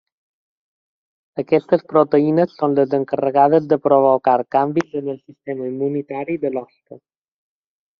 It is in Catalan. Aquestes proteïnes són les encarregades de provocar canvis en el sistema immunitari de l’hoste.